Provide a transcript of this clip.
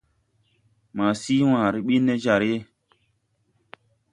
Ma sii wããre ɓin ne jar,